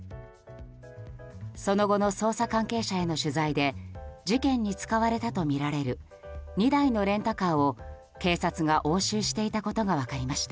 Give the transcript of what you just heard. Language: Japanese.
その後の捜査関係者への取材で事件に使われたとみられる２台のレンタカーを警察が押収していたことが分かりました。